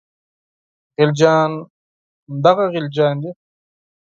خلجیان همدغه غلجیان دي.